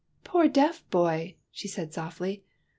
poor deaf boy !'' she said softly.